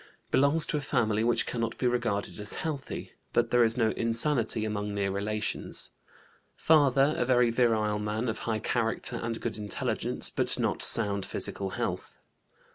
Belongs to a family which cannot be regarded as healthy, but there is no insanity among near relations. Father a very virile man of high character and good intelligence, but not sound physical health.